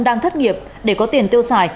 đang thất nghiệp để có tiền tiêu xài